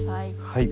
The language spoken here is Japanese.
はい。